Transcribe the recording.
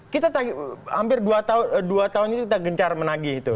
kita hampir dua tahun itu kita gencar menagih itu